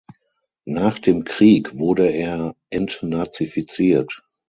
Nach dem Krieg wurde er entnazifiziert.